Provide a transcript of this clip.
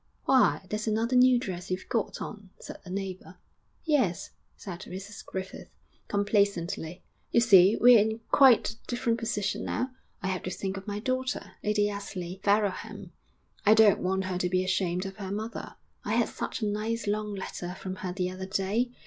'Why, that's another new dress you've got on!' said a neighbour. 'Yes,' said Mrs Griffith, complacently, 'you see we're in quite a different position now. I have to think of my daughter, Lady Ously Farrowham. I don't want her to be ashamed of her mother. I had such a nice long letter from her the other day.